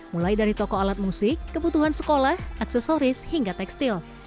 mulai dari toko alat musik kebutuhan sekolah aksesoris hingga tekstil